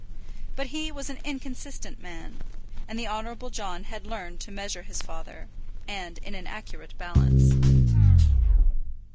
But he was an inconsistent man, and the Honourable John had learned to measure his father, and in an accurate balance.